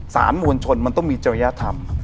สารมวลชนมันต้องมีจริยธรรม